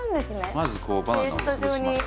まずこうバナナをつぶします